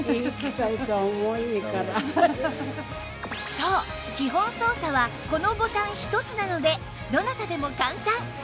そう基本操作はこのボタン１つなのでどなたでも簡単